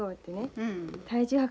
うん。